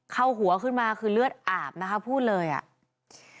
หัวขึ้นมาคือเลือดอาบนะคะพูดเลยอ่ะ